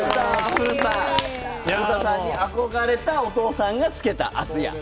古田さんに憧れたお父さんがつけた「敦也」。